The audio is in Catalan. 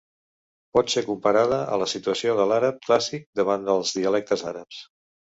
Pot ser comparada a la situació de l'àrab clàssic davant els dialectes àrabs.